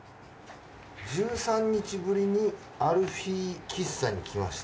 「１３日ぶりにアルフィーキッサにきました。